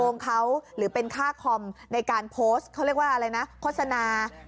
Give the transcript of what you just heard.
โปรงเขาหรือเป็นค่าคอมในการโพสเขาเรียกว่าอะไรนะโฆษณาแบบผม